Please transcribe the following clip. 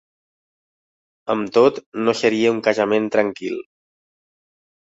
Amb tot, no seria un casament tranquil.